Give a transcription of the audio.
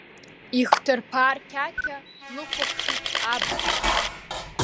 Ихҭырԥа рқьақьа, длыхәаԥшит абхәа.